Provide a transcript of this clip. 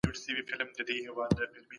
هغه قوانين چي په تاريخ کي دي، مطالعه کيږي.